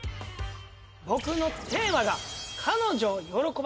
僕のテーマが。